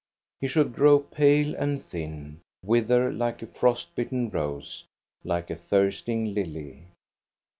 He should grow pale and (hin, wither like a frost bitten rose, like a thirst ' ing lily.